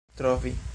trovi